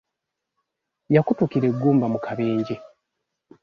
Yakutukira eggumba mu kabenje.